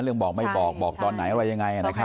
เรื่องบอกไม่บอกบอกตอนไหนว่ายังไงนะครับ